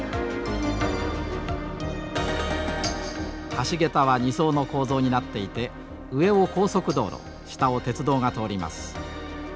橋桁は２層の構造になっていて上を高速道路下を鉄道が通ります。